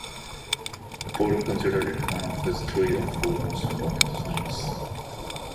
Pearl considered it one of his "three or four most important" designs.